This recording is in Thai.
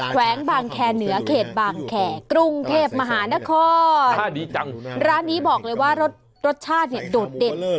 แวงบางแคร์เหนือเขตบางแคร์กรุงเทพมหานครท่าดีจังร้านนี้บอกเลยว่ารสชาติเนี่ยโดดเด่น